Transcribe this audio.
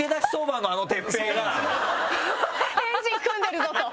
円陣組んでるぞと。